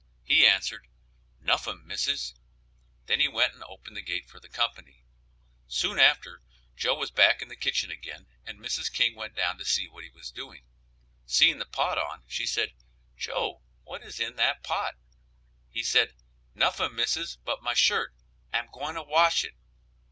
he answered, "Noffing, missis." Then he went and opened the gate for the company. Soon after, Joe was back in the kitchen again, and Mrs. King went down to see what he was doing; seeing the pot on she said, "Joe, what is in that pot?" he said, "noffing, missis, but my shirt; am gwine to wash it."